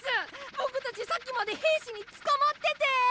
ボクたちさっきまで平氏につかまってて。